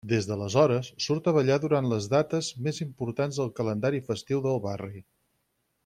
Des d'aleshores, surt a ballar durant les dates més importants del calendari festiu del barri.